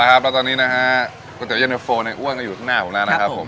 เอาล่ะครับแล้วตอนนี้นะฮะก๋วยเจ๋วเย็นตะโฟในอ้วนก็อยู่ข้างหน้าของเรานะครับผม